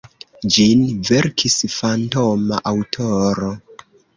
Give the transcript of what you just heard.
Ĝin verkis fantoma aŭtoro.